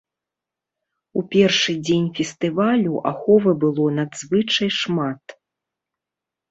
У першы дзень фестывалю аховы было надзвычай шмат.